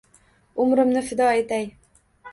Umrimni fido etay